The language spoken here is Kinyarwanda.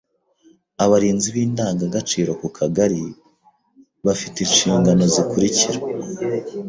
Abarinzi b’indangagaciro ku Kagari bafi te inshingano zikurikira: